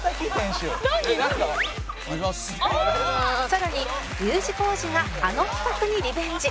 さらに Ｕ 字工事があの企画にリベンジ